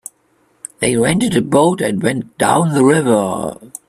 They rented a boat and went down the river.